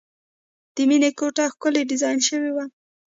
د مینې کوټه ښکلې ډیزاین شوې وه